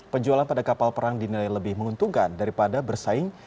penjualan pada kapal perang dinilai lebih menguntungkan daripada bersaing